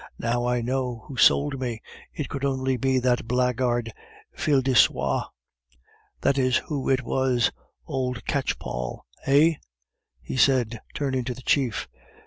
"Now I know who sold me! It could only be that blackguard Fil de Soie. That is who it was, old catchpoll, eh?" he said, turning to the chief.